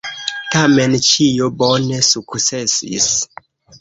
Tamen ĉio bone sukcesis.